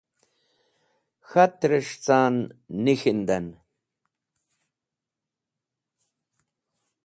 K̃hat’res̃h ca’n nik̃hinden.